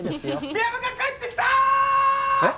深山が帰ってきたーッ！